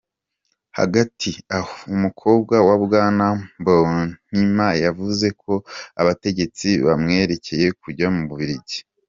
Hagati aho, umukobwa wa Bwana Mbonimpa yavuze ko abategetsi bamwereye kujya mu Bubiligi.